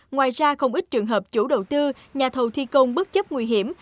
ngoài ra không ít trường hợp chủ đầu tư nhà thầu thi công bất chấp nguy hiểm